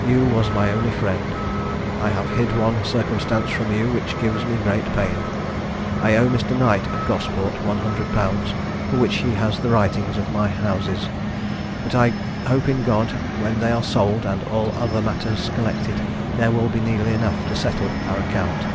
You was my only friend. I have hid one circumstance from you which gives me great pain. I owe Mr. Knight of Gosport one hundred pounds, for which he has the writings of my houses; but I hope in God, when they are sold and all other matters collected, there will be nearly enough to settle our account.